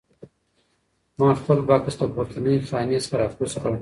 ما خپل بکس له پورتنۍ خانې څخه راکوز کړ.